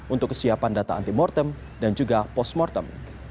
untuk kesiapan data antimortem dan juga postmortem